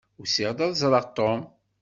Usiɣ-d ad ẓṛeɣ Tom.